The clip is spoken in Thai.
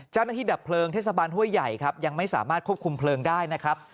ดับเพลิงเทศบาลห้วยใหญ่ครับยังไม่สามารถควบคุมเพลิงได้นะครับ